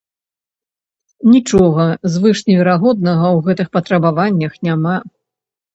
Нічога звышневерагоднага ў гэтых патрабаваннях няма.